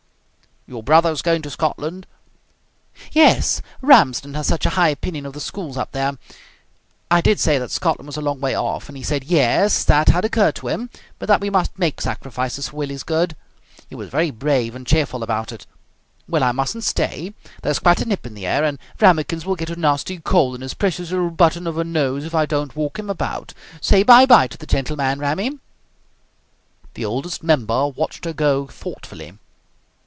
"Your brother is going to Scotland?" "Yes. Ramsden has such a high opinion of the schools up there. I did say that Scotland was a long way off, and he said yes, that had occurred to him, but that we must make sacrifices for Willie's good. He was very brave and cheerful about it. Well, I mustn't stay. There's quite a nip in the air, and Rammikins will get a nasty cold in his precious little button of a nose if I don't walk him about. Say 'Bye bye' to the gentleman, Rammy!" The Oldest Member watched her go thoughtfully.